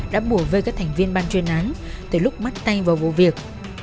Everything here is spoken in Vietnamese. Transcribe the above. đã bùa vơi các thành viên ban chuyên án từ lúc mắt tay vào vụ việc